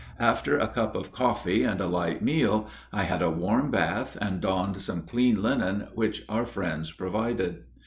After a cup of coffee and a light meal I had a warm bath, and donned some clean linen which our friends provided.